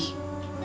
dia pasti sembuh